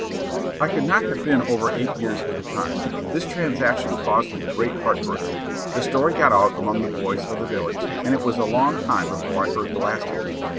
"I could not have been over eight years at the time. This transaction caused me great heart burning. The story got out among the boys of the village, and it was a long time before I heard the last of it.